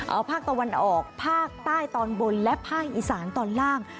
เอาภาคตะวันออกภาคใต้ตอนบนและภาคอีสานตอนล่าง